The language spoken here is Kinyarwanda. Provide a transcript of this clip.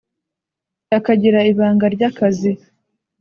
akagira ibanga rya kazi,